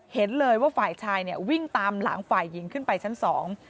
เห็นเลยว่าฝ่ายชายเนี่ยวิ่งตามหลังฝ่ายหญิงขึ้นไปชั้นสอง